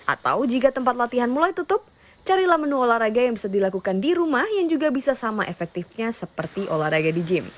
atau jika tempat latihan mulai tutup carilah menu olahraga yang bisa dilakukan di rumah yang juga bisa sama efektifnya seperti olahraga di gym